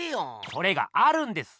それがあるんです！